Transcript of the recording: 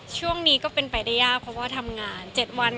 ช่วงนี้ก็เป็นไปได้ยากเพราะว่าทำงาน๗วัน